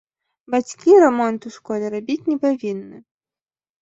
Бацькі рамонт у школе рабіць не павінны.